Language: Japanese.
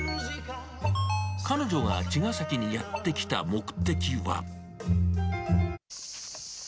彼女が茅ヶ崎にやって来た目的は。